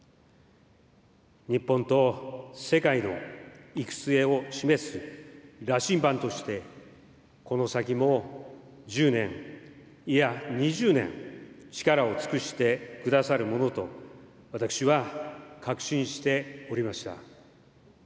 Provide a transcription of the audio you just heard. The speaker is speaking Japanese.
日本と世界の行く末を示す羅針盤として、この先も１０年、いや２０年、力を尽くしてくださるものと、私は確信しておりました。